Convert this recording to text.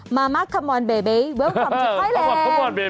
มามักเขมอลเบเบย์เบ้ลฟัมท์ชิคไลน์